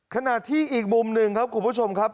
ขณะที่อีกมุมหนึ่งครับคุณผู้ชมครับ